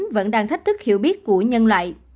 vẫn đang thách thức hiểu biết của nhân loại